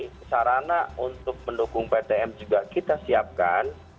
jadi sarana untuk mendukung ptm juga kita siapkan